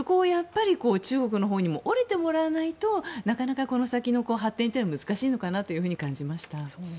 中国のほうにも折れてもらわないとなかなかこの先の発展が難しいのかなと感じました。